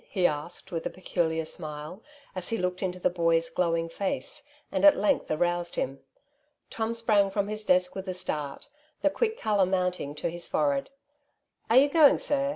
'' he asked with a peculiar smile, as he looked into the boy's glowing face, and at length aroused him. Tom sprang from his desk with a start, the quick colour mounting to his forehead. " Are you going, sir